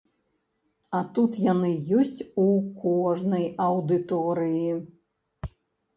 А тут яны ёсць у кожнай аўдыторыі.